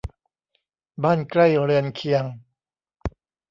บ้านใกล้เรือนเคียง